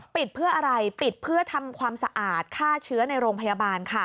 ปิดเพื่ออะไรปิดเพื่อทำความสะอาดฆ่าเชื้อในโรงพยาบาลค่ะ